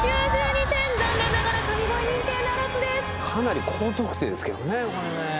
４９２点、かなり高得点ですけどね。